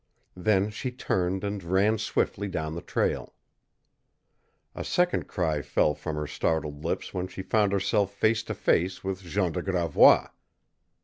Then she turned and ran swiftly down the trail. A second cry fell from her startled lips when she found herself face to face with Jean de Gravois.